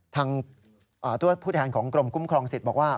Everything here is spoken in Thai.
ทางตัวผู้แทนของกรมคุ้มครองสิทธิ์บอกว่า